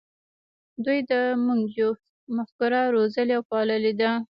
دوی د "موږ یو" مفکوره روزلې او پاللې ده.